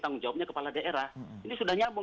tanggung jawabnya kepala daerah ini sudah nyambung